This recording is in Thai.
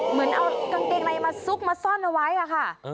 เหมือนเอากางเกงในมาซุกมาซ่อนเอาไว้ค่ะ